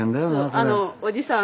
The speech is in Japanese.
あっおじさん